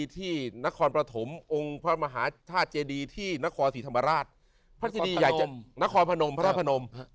ที่นครประถมพระมหาธาชดีที่นครศรีธรรมราชนครพระนมพระนม